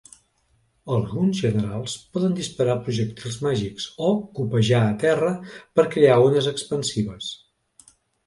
Alguns generals poden disparar projectils màgics o copejar a terra per crear ones expansives.